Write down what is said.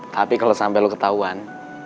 tapi kalo sampe lo ketauan